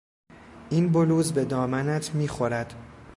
این بلوز به دامنت میخورد.